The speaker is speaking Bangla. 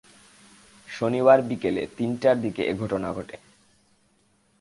শনিবার বিকেলে তিনটার দিকে এ ঘটনা ঘটে।